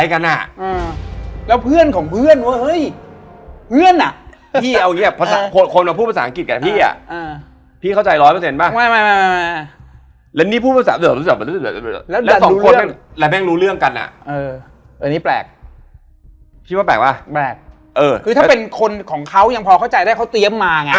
ก็คือเป็นศีรสันตลอดเวลาของแก๊งเรานะฮะ